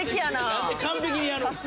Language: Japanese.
なんで完璧にやるんですか。